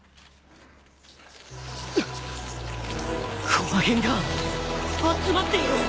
コア片が集まっている！